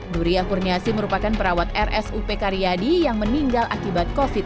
nuriyah kurniasi merupakan perawat rs upk riadi yang meninggal akibat covid sembilan belas